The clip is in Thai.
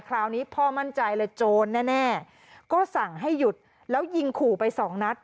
คราวนี้พ่อมั่นใจเลยโจรแน่ก็สั่งให้หยุดแล้วยิงขู่ไปสองนัด